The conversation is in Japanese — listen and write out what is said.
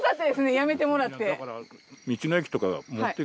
やめてもらって。